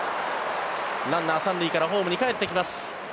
ランナー、３塁からホームにかえってきます。